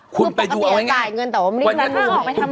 คุณปกติจะจ่ายเงินแต่ว่ามันไม่ได้ดูหน่วย